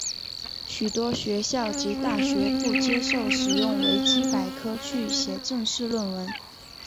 许多学校及大学不接受使用维基百科去写正式论文。